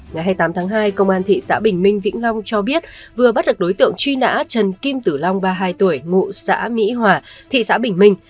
ngày hai mươi tám tháng hai công an thị xã bình minh vĩnh long cho biết vừa bắt được đối tượng truy nã trần kim tử long ba mươi hai tuổi ngụ xã mỹ hòa thị xã bình minh